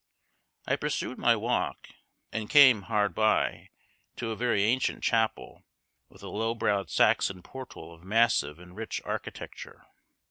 I pursued my walk, and came, hard by, to a very ancient chapel with a low browed Saxon portal of massive and rich architecture.